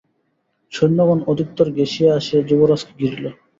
সৈন্যগণ অধিকতর ঘেঁসিয়া আসিয়া যুবরাজকে ঘিরিল।